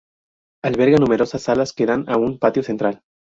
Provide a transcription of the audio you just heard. Alberga numerosas salas que dan a un patio central.